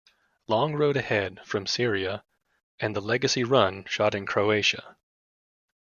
"Long Road Ahead" from Syria, and "The Legacy Run" shot in Croatia.